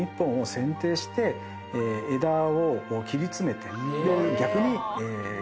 枝を切り詰めて。